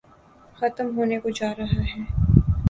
ختم ہونے کوجارہاہے۔